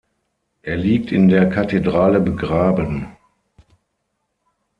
Er liegt in der Kathedrale begraben.